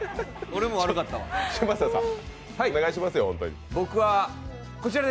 俺も悪かったから。